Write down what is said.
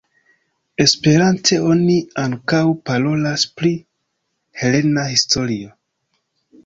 Esperante oni ankaŭ parolas pri helena historio.